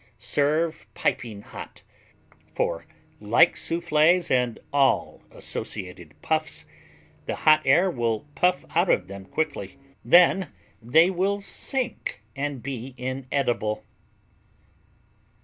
Serve piping hot, for like Soufflés and all associated Puffs, the hot air will puff out of them quickly; then they will sink and be inedible.